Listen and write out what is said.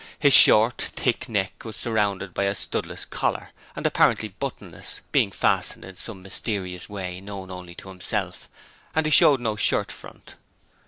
His short, thick neck was surrounded by a studless collar, and apparently buttonless, being fastened in some mysterious way known only to himself, and he showed no shirt front.